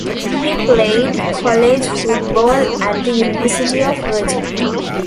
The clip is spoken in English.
He played college football at the University of Virginia.